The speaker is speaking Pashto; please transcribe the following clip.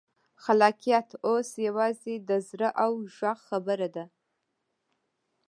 خلاقیت اوس یوازې د زړه او غږ خبره ده.